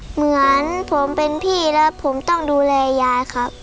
เหมือนผมเป็นพี่แล้วผมต้องดูแลยายครับ